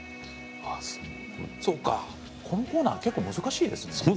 そうかこのコーナー結構難しいですね。